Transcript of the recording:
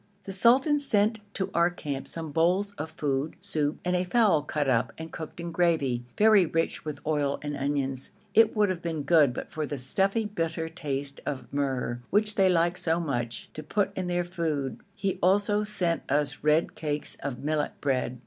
The sultan sent to our camp some bowls of food, soup, and a fowl cut up and cooked in gravy, very rich with oil and onions. It would have been good but for the stuffy, bitter taste of myrrh, which they like so much to put in their food. He also sent us red cakes of millet bread.